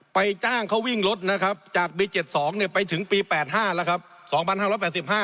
ไปจ้างเขาวิ่งรถนะครับจากปี๗๒เนี่ยไปถึงปี๘๕แล้วครับ